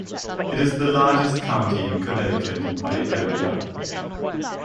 It is the largest county in Connecticut by area.